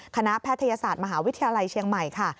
แพทยศาสตร์มหาวิทยาลัยเชียงใหม่ค่ะ